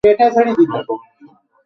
আর কখনো শর্টকাট নেবে না।